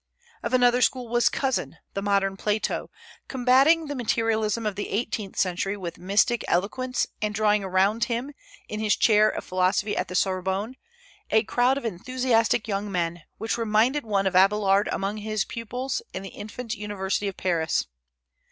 Of another school was Cousin, the modern Plato, combating the materialism of the eighteenth century with mystic eloquence, and drawing around him, in his chair of philosophy at the Sorbonne, a crowd of enthusiastic young men, which reminded one of Abélard among his pupils in the infant university of Paris.